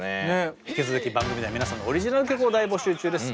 引き続き番組では皆さんのオリジナル曲を大募集中です。